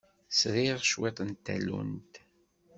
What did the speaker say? Sriɣ cwiṭ n tallunt.